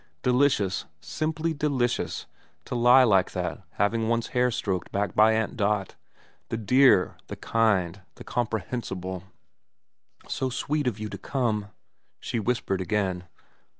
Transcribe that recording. Delicious, simply delicious, to lie like that having one's hair stroked back by Aunt Dot, the dear, the kind, the comprehensible. * So sweet of you to come,' she whispered again.